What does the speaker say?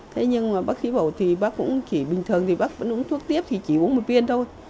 thế nhưng mà bác khí bỏ thì bác cũng chỉ bình thường thì bác vẫn uống thuốc tiếp thì chỉ uống một viên thôi